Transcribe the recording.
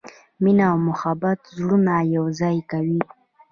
مینه او محبت زړونه یو ځای کوي.